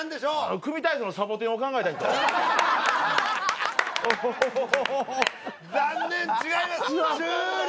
組体操のサボテンを考えた人残念違います終了！